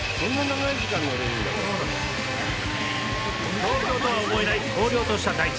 東京とは思えない荒涼とした大地。